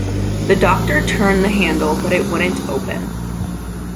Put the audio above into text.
The Doctor turned the handle but it wouldn’t open.